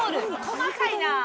細かいな。